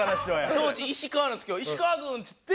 当時石川なんですけど「石川君」っつって。